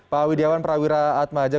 pak widjawan prawira atmaja